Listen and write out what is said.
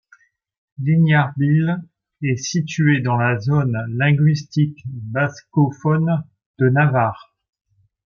Iñarbil est situé dans la zone linguistique bascophone de Navarre.